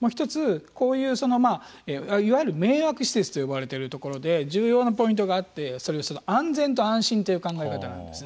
もう一つ、こういういわゆる迷惑施設と呼ばれているところで重要なポイントがあって安全と安心という考え方なんですね。